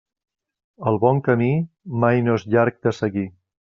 El bon camí, mai no és llarg de seguir.